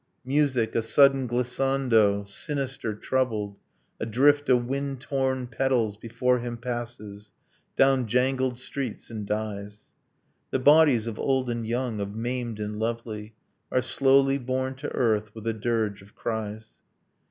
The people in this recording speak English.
Music, a sudden glissando, sinister, troubled, A drift of wind torn petals, before him passes Down jangled streets, and dies. The bodies of old and young, of maimed and lovely, Are slowly borne to earth, with a dirge of cries.